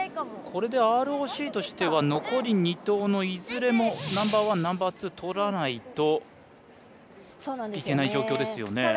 これでＲＯＣとしては残り２投のいずれもナンバーワンナンバーツーとらないといけない状況ですね。